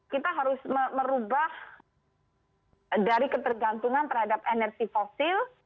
kita harus merubah dari ketergantungan terhadap energi fosil